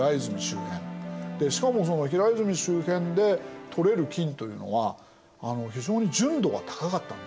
でしかも平泉周辺で採れる金というのは非常に純度が高かったんですよ。